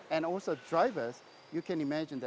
anda bisa bayangkan itu berbeda